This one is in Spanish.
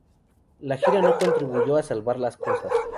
La gira no contribuyó a salvar las cosas.